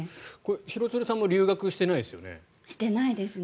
廣津留さんも留学してないですよね。